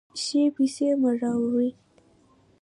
شي پسې مړاوی